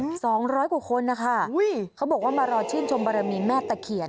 เมือง๒๐๐กว่าคนนะคะเขาก็บอกว่ามารอดชื่นชมบรมีนแม่ตะเขียน